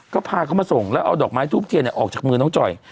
ก็พาเขามาส่งแล้วเอาดอกไม้ทูบเทียนออกจากมือน้องจ่อย